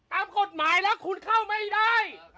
ตามกฎหมายแล้วคุณเข้าไม่ได้